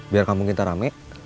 biar kampung kita rame